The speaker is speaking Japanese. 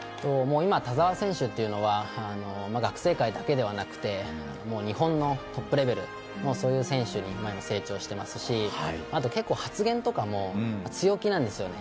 今、田澤選手っていうのは学生界だけではなくて日本のトップレベルという選手に成長していますし結構、発言とかも強気なんですよ。